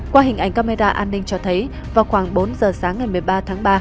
qua hình ảnh camera an ninh cho thấy vào khoảng bốn giờ sáng ngày một mươi ba tháng ba